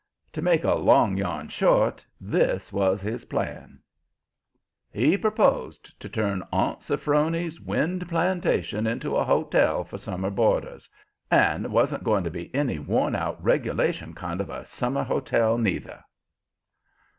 To make a long yarn short, this was his plan: He proposed to turn Aunt Sophrony's wind plantation into a hotel for summer boarders. And it wan't going to be any worn out, regulation kind of a summer hotel neither.